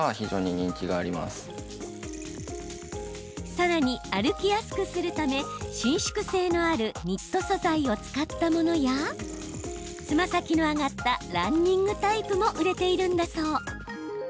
さらに、歩きやすくするため伸縮性のあるニット素材を使ったものやつま先の上がったランニングタイプも売れているんだそう。